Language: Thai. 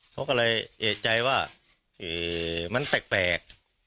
เพราะเลยเอียดใจว่ามันแปลก